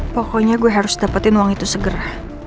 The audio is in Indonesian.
pokoknya gue harus dapetin uang itu segera